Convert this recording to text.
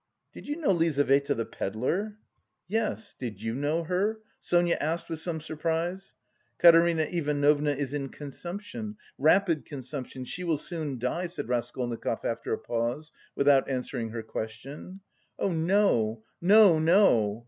"Did you know Lizaveta, the pedlar?" "Yes.... Did you know her?" Sonia asked with some surprise. "Katerina Ivanovna is in consumption, rapid consumption; she will soon die," said Raskolnikov after a pause, without answering her question. "Oh, no, no, no!"